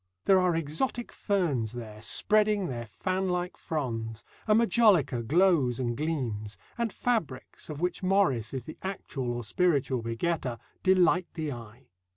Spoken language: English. There are exotic ferns there, spreading their fanlike fronds, and majolica glows and gleams; and fabrics, of which Morris is the actual or spiritual begetter, delight the eye.